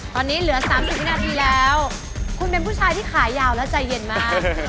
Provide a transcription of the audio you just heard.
ตอนนี้เหลือ๓๐วินาทีแล้วคุณเป็นผู้ชายที่ขายาวและใจเย็นมาก